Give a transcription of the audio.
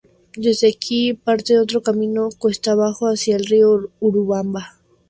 Desde aquí parte otro camino cuesta abajo hacia el río Urubamba.